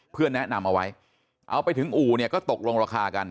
เพื่อแนะนำเอาไว้เอาไปถึงอู่เนี่ยก็ตกลงราคากัน